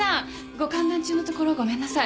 ご歓談中のところごめんなさい。